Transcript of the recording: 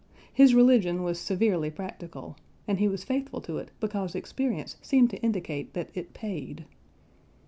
His religion was severely practical, and he was faithful to it because experience seemed to indicate that it paid.